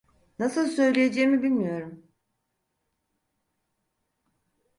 Nasıl söyleyeceğimi bilmiyorum.